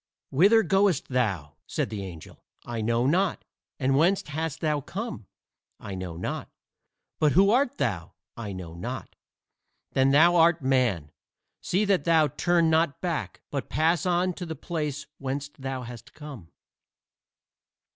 "Whither goest thou?" said the angel. "I know not." "And whence hast thou come?" "I know not." "But who art thou?" "I know not." "Then thou art Man. See that thou turn not back, but pass on to the place whence thou hast come."